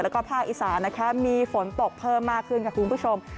แล้วก็ภาคอีสานนะคะมีฝนตกเพิ่มมากขึ้นค่ะคุณผู้ชม